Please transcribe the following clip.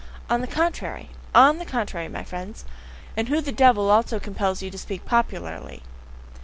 On the contrary! On the contrary, my friends! And who the devil also compels you to speak popularly!